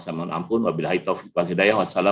wa'alaikumussalam warahmatullahi wabarakatuh